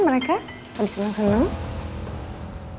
mereka habis seneng seneng